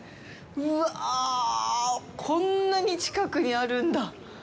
うわぁ、こんなに近くにあるんだ！？